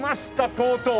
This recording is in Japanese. とうとう！